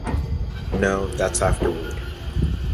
No, that's afterward.